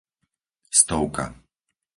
stovka